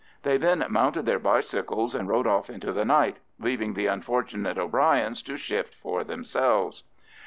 They then mounted their bicycles and rode off into the night, leaving the unfortunate O'Bryans to shift for themselves.